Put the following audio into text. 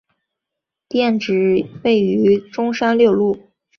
店址位于中山六路。